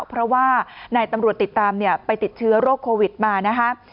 เพราะว่านายตำรวจติดตามไปติดเชื้อโรคโควิดมานะคะ